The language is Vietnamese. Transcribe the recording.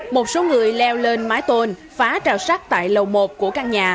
một số người leo lên mái tôn phá rào sát tại lầu một của căn nhà